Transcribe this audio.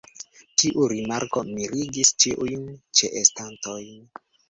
Tiu rimarko mirigis ĉiujn ĉeestantojn.